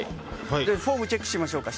フォームチェックしましょうか。